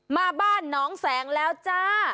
มาบ้านน้องแสงแล้วจ้า